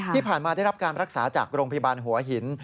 ที่ผ่านมาได้รับการรักษาจากโรงพยาบาลหัวหิน